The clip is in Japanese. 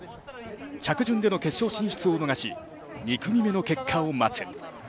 着順での決勝進出を逃し、２組目の結果を待つ。